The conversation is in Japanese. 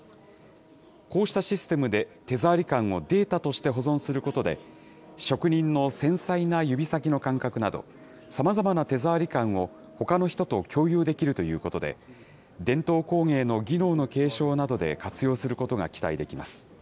こうしたシステムで、手触り感をデータとして保存することで、職人の繊細な指先の感覚など、さまざまな手触り感を、ほかの人と共有できるということで、伝統工芸の技能の継承などで活用することが期待できます。